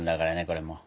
これもう！